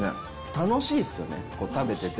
楽しいっすよね、食べてて。